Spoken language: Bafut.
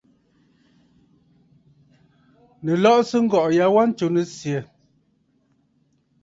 Nɨ̀ lɔꞌɔsə ŋgɔ̀ꞌɔ̀ ya wa ntsù nɨ̀syɛ̀!